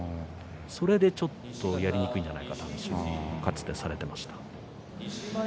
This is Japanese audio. それでちょっとやりにくいんではないかとかつて、されていました。